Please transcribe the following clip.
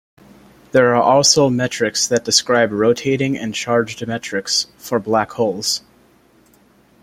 There are also metrics that describe rotating and charged metrics for black holes.